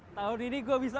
tahun ini gue bisa